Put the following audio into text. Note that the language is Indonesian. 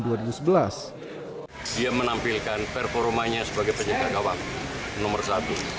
dia menampilkan performanya sebagai penyegak kawak nomor satu